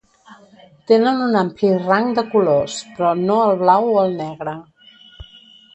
Tenen un ampli rang de colors, però no el blau o el negre.